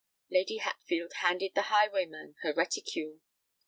Lady Hatfield handed the highwayman her reticule.